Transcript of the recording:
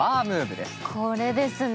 これですね。